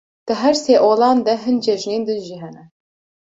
Di her sê olan de hin cejnên din jî hene.